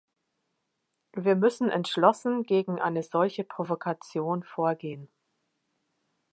Wir müssen entschlossen gegen eine solche Provokation vorgehen.